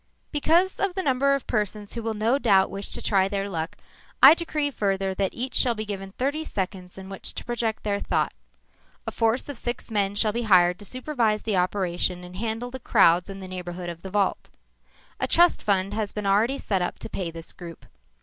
_ "_Because of the number of persons who will no doubt wish to try their luck, I decree further that each shall be given thirty seconds in which to project their thought. A force of six men shall be hired to supervise the operation and handle the crowds in the neighborhood of the vault. A trust fund has been already set up to pay this group.